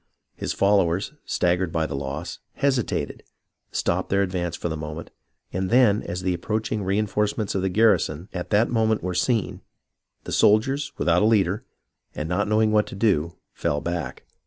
His followers, staggered by the loss, hesitated, stopped their advance for the moment, and then, as the approach ing reenforcements of the garrison at that moment were seen, the soldiers, without a leader, and not knowing what to do, fell back.